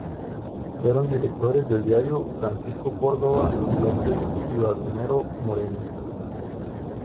Fueron directores del diario Francisco Córdova y López y Baldomero Moreno.